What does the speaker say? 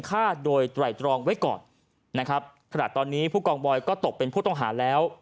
ฆ่าโดยไตรตรองไว้ก่อนนะครับขณะตอนนี้ผู้กองบอยก็ตกเป็นผู้ต้องหาแล้ว